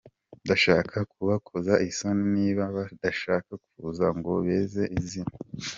Ndashaka kubakoza isoni niba badashaka kuza ngo beze izina